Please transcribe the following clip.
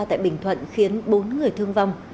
tại bình thuận khiến bốn người thương vong